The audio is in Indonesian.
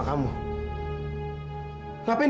kita urusin semua orang